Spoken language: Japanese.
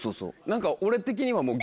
何か俺的にはもう。